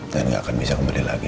dan gak akan bisa kembali lagi